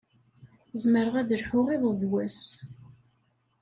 Zemreɣ ad lḥuɣ iḍ d wass.